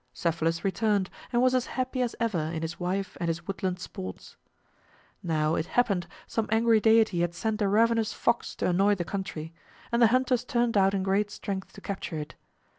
Cephalus returned, and was as happy as ever in his wife and his woodland sports. Now it happened some angry deity had sent a ravenous fox to annoy the country; and the hunters turned out in great strength to capture it.